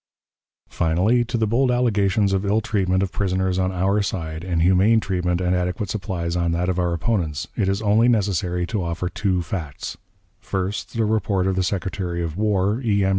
Finally, to the bold allegations of ill treatment of prisoners on our side, and humane treatment and adequate supplies on that of our opponents, it is only necessary to offer two facts: First, the report of the Secretary of War, E. M.